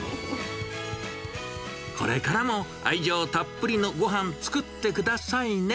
これからも愛情たっぷりのごはん、作ってくださいね。